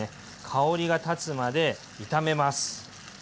香りがたつまで炒めます。